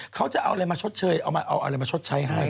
เขาจะเอาอะไรมาชดเชยเอามาเอาอะไรมาชดใช้ให้